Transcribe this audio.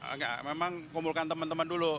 enggak memang kumpulkan teman teman dulu